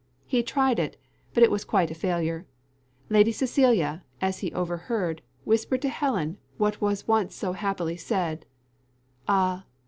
He tried it but it was quite a failure; Lady Cecilia, as he overheard, whispered to Helen what was once so happily said "_Ah!